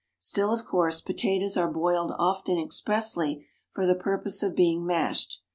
Still, of course, potatoes are boiled often expressly for the purpose of being mashed.